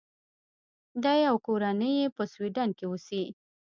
دی او کورنۍ یې په سویډن کې اوسي.